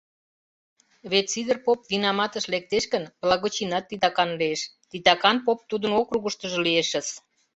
Вет Сидыр поп винаматыш лектеш гын, благочинат титакан лиеш: титакан поп тудын округыштыжо лиешыс...